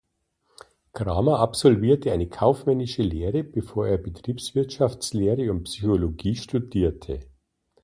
Cramer absolvierte eine kaufmännische Lehre bevor er Betriebswirtschaftslehre und Psychologie studierte.